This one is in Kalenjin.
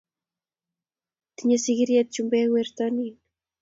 Tinyei sigiryetab chumbek wertonin